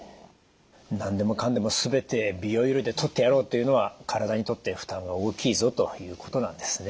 何でもかんでも全て美容医療でとってやろうというのは体にとって負担が大きいぞということなんですね。